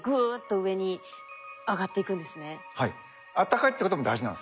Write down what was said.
暖かいってことも大事なんですよ。